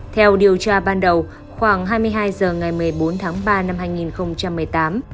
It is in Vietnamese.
theo điều tra ban đầu khoảng hai mươi hai h ngày một mươi bốn tháng ba năm hai nghìn một mươi tám